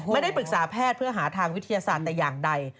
ไม่ได้ปรึกษาแพทย์เพื่อหาทางวิทยาศาสตร์แต่อย่างใด